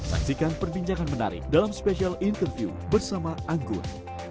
saksikan perbincangan menarik dalam spesial interview bersama anggun